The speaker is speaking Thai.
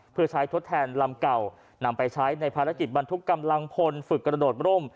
เพื่อใช้ทดแทนลำเก่านำไปใช้ในภารกิจบรรทุกกำลังพลฝึกกระโดดร่ม